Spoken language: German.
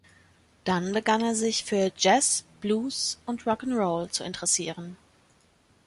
Dann begann er sich für Jazz, Blues und Rock and Roll zu interessieren.